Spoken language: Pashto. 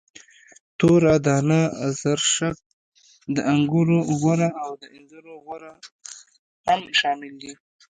توره دانه، زرشک، د انګورو غوره او د انځرو غوره هم شامل دي.